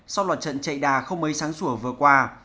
sau loạt trận chạy đà không mấy sáng sủa vừa qua